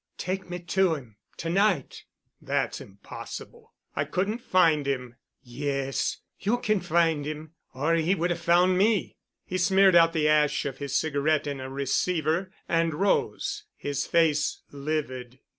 "Take me to him—to night." "That's impossible. I couldn't find him." "Yes. You can find him. Or he would have found me." He smeared out the ash of his cigarette in a receiver and rose, his face livid.